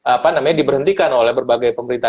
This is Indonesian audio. apa namanya diberhentikan oleh berbagai pemerintah